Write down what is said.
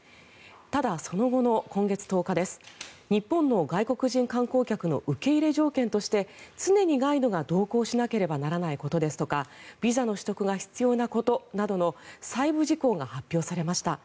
ただ、その後の今月１０日日本の外国人観光客の受け入れ条件として常にガイドが同行しなければならないことですとかビザの取得が必要なことなどの細部事項が発表されました。